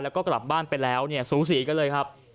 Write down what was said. แล้วก็กลับบ้านไปแล้วสูงสีกันเลย